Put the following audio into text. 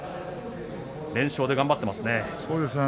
連勝で頑張っていますね。